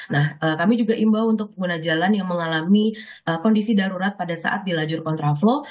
nah kami juga imbau untuk pengguna jalan yang mengalami kondisi darurat pada saat di lajur kontraflow